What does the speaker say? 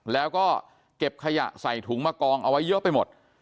แล้วก็เก็บขยะใส่ถุงมากองเอาไว้เยอะไปหมด